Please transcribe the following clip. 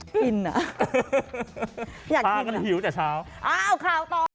กินอ่ะอยากกินอ่ะพากันหิวจากเช้าอ้าวข่าวต่อ